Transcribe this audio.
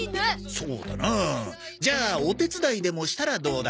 そうだなじゃあお手伝いでもしたらどうだ？